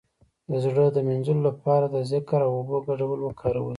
د زړه د مینځلو لپاره د ذکر او اوبو ګډول وکاروئ